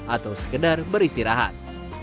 atau sekedar beristirahat